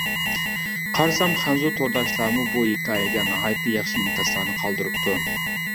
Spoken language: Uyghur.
قارىسام، خەنزۇ تورداشلارمۇ بۇ ھېكايىگە ناھايىتى ياخشى ئىنكاسلارنى قالدۇرۇپتۇ.